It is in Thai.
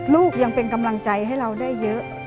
ลูกยังเป็นกำลังใจให้เราได้เยอะ